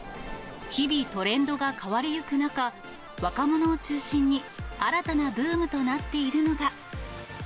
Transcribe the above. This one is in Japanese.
日々、トレンドが変わりゆく中、若者を中心に、新たなブームとなっているのが。